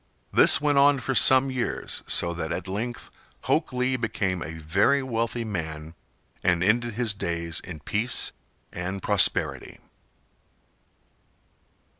This went on for some years, so that at length Hok Lee became a very wealthy man and ended his days in peace and prosperity.